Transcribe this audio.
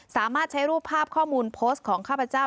สามารถใช้รูปภาพข้อมูลโพสต์ของข้าพเจ้า